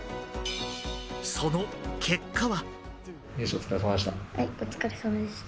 その結果は。